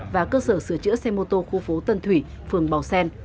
và cơ sở sửa chữa xe mô tô khu phố tân thủy phường bảo sen